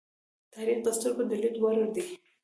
تاریخ د سترگو د لیدو وړ دی.